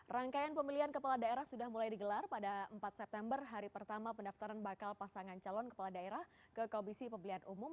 rangkaian pemilihan kepala daerah sudah mulai digelar pada empat september hari pertama pendaftaran bakal pasangan calon kepala daerah ke komisi pemilihan umum